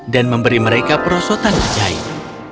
dan memberi mereka perosotan ajaib